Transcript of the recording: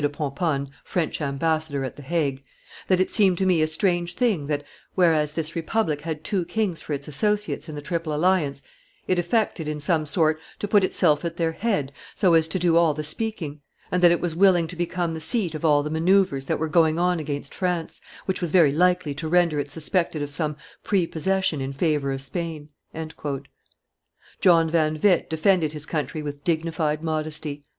de Pomponne, French ambassador at the Hague, "that it seemed to me a strange thing that, whereas this republic had two kings for its associates in the triple alliance, it affected in some sort to put itself at their head so as to do all the speaking, and that it was willing to become the seat of all the manoeuvres that were going on against France, which was very likely to render it suspected of some prepossession in favor of Spain." John Van Witt defended his country with dignified modesty.